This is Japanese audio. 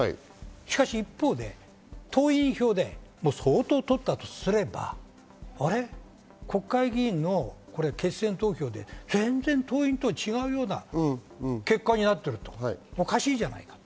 ただ一方で党員票で相当とったとすれば国会議員の決選投票で全然党員と違うようだという結果になっていると、おかしいじゃないか。